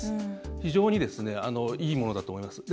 非常にいいものだと思います。